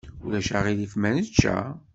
Ulac aɣilif ma nečča?